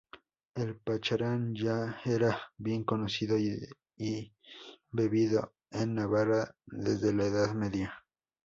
El pacharán ya era bien conocido y bebido en Navarra desde la Edad Media.